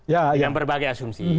dengan berbagai asumsi